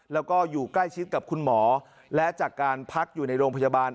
แล้วก็อยู่ใกล้ชิดกับคุณหมอและจากการพักอยู่ในโรงพยาบาล